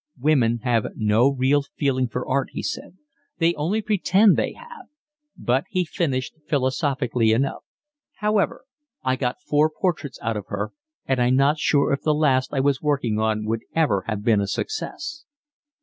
"Women have no real feeling for art," he said. "They only pretend they have." But he finished philosophically enough: "However, I got four portraits out of her, and I'm not sure if the last I was working on would ever have been a success."